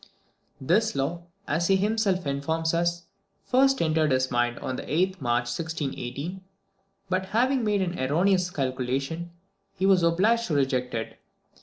This law, as he himself informs us, first entered his mind on the 8th March 1618; but, having made an erroneous calculation, he was obliged to reject it.